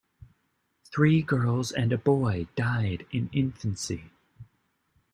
Three girls and a boy died in infancy.